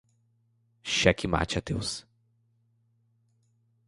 Xeque mate ateus